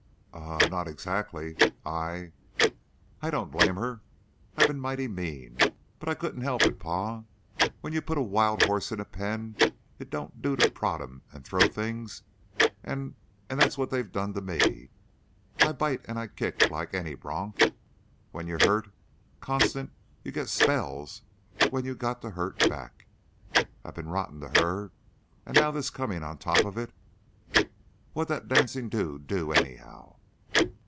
"Um m, not exactly. I " "I don't blame her. I've been mighty mean. But I couldn't help it, pa. When you put a wild horse in a pen, it don't do to prod him and throw things and That's what they've done to me. I bite and kick like any bronc. When you're hurt, constant, you get spells when you've got to hurt back. I've been rotten to her, and now this coming on top of it " "Wha'd that dancin' dude do, anyhow?"